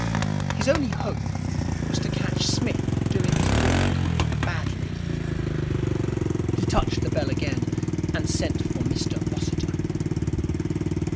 His only hope was to catch Psmith doing his work badly. He touched the bell again, and sent for Mr Rossiter.